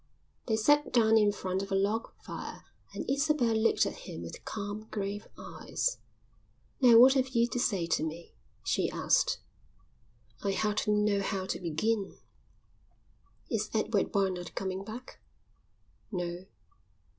They sat down in front of a log fire and Isabel looked at him with calm grave eyes. "Now what have you to say to me?" she asked. "I hardly know how to begin." "Is Edward Barnard coming back?" "No."